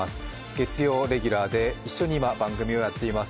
月曜レギュラーで今一緒に番組をやっています。